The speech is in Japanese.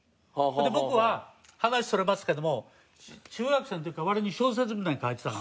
で僕は話それますけども中学生の時から割に小説みたいの書いてたのよね。